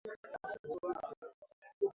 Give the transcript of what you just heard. ao walituhumiwa kumteka nyara na kumuua